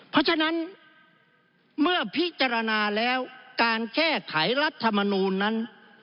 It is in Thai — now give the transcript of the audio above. เพราะฉะนั้นเมื่อพิจารณาแล้วการแก้ไขรัฐมนูลนั้น